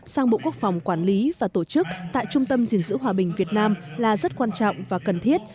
sang bộ quốc phòng quản lý và tổ chức tại trung tâm diện giữ hòa bình việt nam là rất quan trọng và cần thiết